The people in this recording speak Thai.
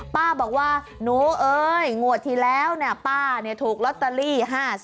ป้าบอกว่าหนูเอ้ยงวดที่แล้วป้าถูกลอตเตอรี่๕๐